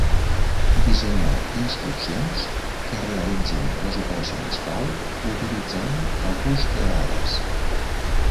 Dissenyar instruccions que realitzin les operacions clau utilitzant el bus de dades.